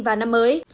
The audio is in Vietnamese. vào năm mới